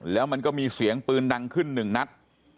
แล้วมันก็มีเสียงปืนดังขึ้นหนึ่งนัด